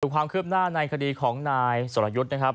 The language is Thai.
ดูความเคลือบหน้าในคดีของนายส่วนละยุทธ์นะครับ